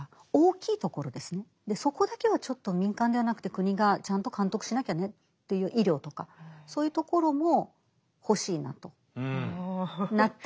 そこだけはちょっと民間ではなくて国がちゃんと監督しなきゃねっていう医療とかそういうところも欲しいなとなっていってどんどん食い込んでいく。